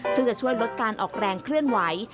ซึ่งจะช่วยลดการออกแรงเคลื่อนไหว